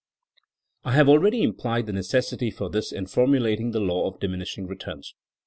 *' I have already implied the necessity for this in formulating the law of diminishing returns.